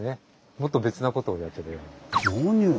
もっと別なことをやってたようなんです。